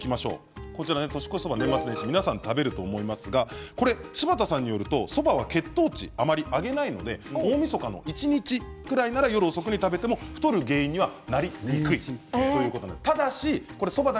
皆さん、食べると思いますけれど柴田さんによると、そばは血糖値をあまり上げないので大みそかの一日くらいなら夜遅くに食べても太る原因にはなりにくいということです。